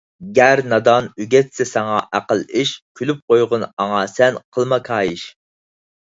گەر نادان ئۆگەتسە ساڭا ئەقىل – ئىش، كۈلۈپ قويغىن ئاڭا سەن قىلما كايىش.